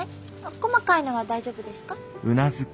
細かいのは大丈夫ですか？